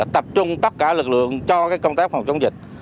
tập trung tất cả lực lượng cho công tác phòng chống dịch